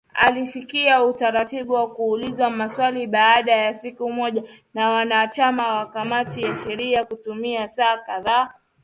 Alifikia utaratibu wa kuulizwa maswali baada ya siku moja na wanachama wa kamati ya sheria kutumia saa kadhaa baada ya kutoa taarifa zao za ufunguzi.